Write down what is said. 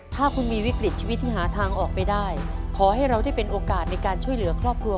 ถ้าคุณมีวิกฤตชีวิตที่หาทางออกไม่ได้ขอให้เราได้เป็นโอกาสในการช่วยเหลือครอบครัว